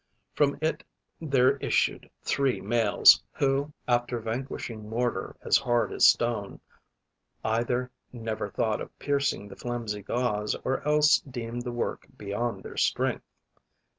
From it there issued three males, who, after vanquishing mortar as hard as stone, either never thought of piercing the flimsy gauze or else deemed the work beyond their strength.